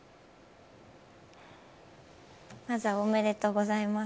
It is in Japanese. まずはおめでとうございます。